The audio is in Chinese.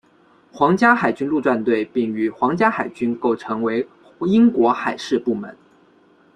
皇家海军陆战队并与皇家海军构成为英国海事部门。